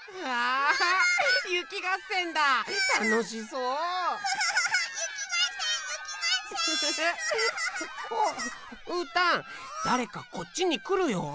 うーたんだれかこっちにくるよ。